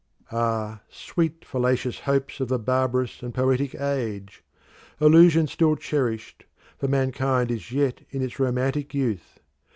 Ah, sweet fallacious hopes of a barbarous and poetic age! Illusion still cherished, for mankind is yet in its romantic youth!